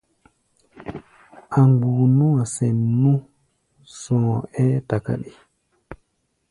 A̧ mgbuu nú-a sɛn nú zɔɔ-ɛ́ɛ́ takáɗi.